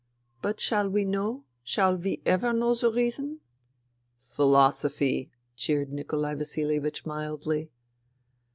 But shall we know ? Shall we ever know the reason ?"" Philosophy !" jeered Nikolai Vasihevich mildly.